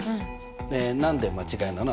で何で間違いなの？